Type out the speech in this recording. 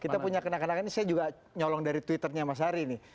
kita punya kenakan kenakan saya juga nyolong dari twitternya mas ari nih